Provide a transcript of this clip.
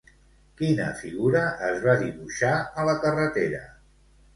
Quina figura es va dibuixar a la carretera?